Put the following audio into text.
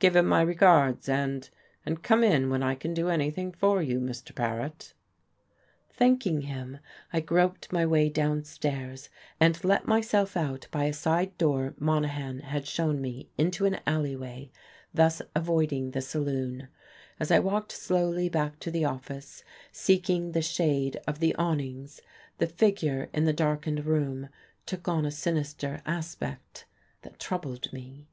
Give him my regards, and and come in when I can do anything for you, Mr. Paret." Thanking him, I groped my way downstairs and let myself out by a side door Monahan had shown me into an alleyway, thus avoiding the saloon. As I walked slowly back to the office, seeking the shade of the awnings, the figure in the darkened room took on a sinister aspect that troubled me....